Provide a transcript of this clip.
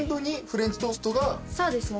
そうですね